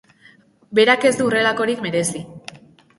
Berak ez du horrelakorik merezi.